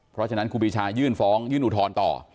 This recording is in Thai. เพราะฉะนั้นครูปีชายื่นฟ้องยื่นอุทธรณ์ต่อ